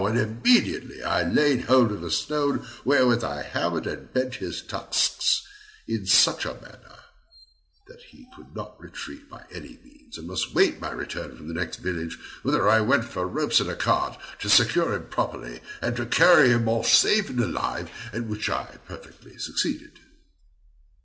and immediately I laid hold of a stone, wherewith I hammered and bent his tusks in such a manner, that he could not retreat by any means, and must wait my return from the next village, whither I went for ropes and a cart, to secure him properly, and to carry him off safe and alive, in which I perfectly succeeded.